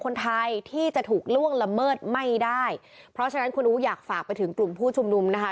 ก็ได้เพราะฉะนั้นคุณอู๋อยากฝากไปถึงกลุ่มผู้ชุมนุมนะคะ